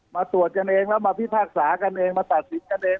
มาตรวจกันเองแล้วมาพิพากษากันเองมาตัดสินกันเอง